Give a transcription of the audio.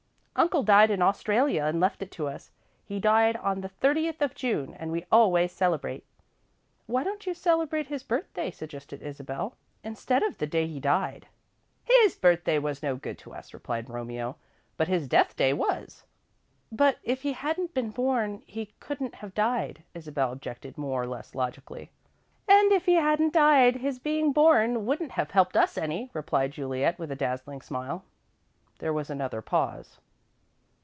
"Uncle died in Australia and left it to us. He died on the thirtieth of June, and we always celebrate." "Why don't you celebrate his birthday?" suggested Isabel, "instead of the day he died?" "His birthday was no good to us," replied Romeo, "but his death day was." "But if he hadn't been born, he couldn't have died," Isabel objected, more or less logically. "And if he hadn't died, his being born wouldn't have helped us any," replied Juliet, with a dazzling smile. There was another pause.